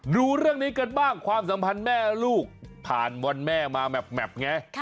ดูเรื่องนี้กันบ้างความสัมพันธ์แม่ลูกผ่านวันแม่มาแมพไง